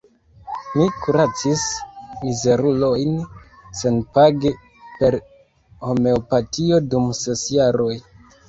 Mi kuracis mizerulojn senpage per homeopatio dum ses jaroj.